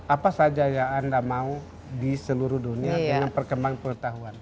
apa saja yang anda mau di seluruh dunia dengan perkembangan pengetahuan